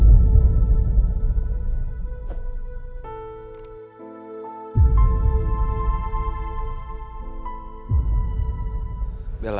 belar apa itu dia